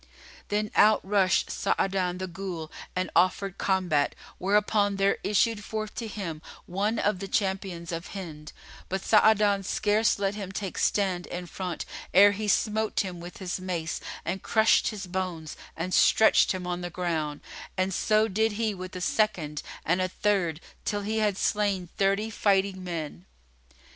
Then out rushed Sa'adan the Ghul and offered combat, whereupon there issued forth to him one of the champions of Hind; but Sa'adan scarce let him take stand in front ere he smote him with his mace and crushed his bones and stretched him on the ground; and so did he with a second and a third, till he had slain thirty fighting men.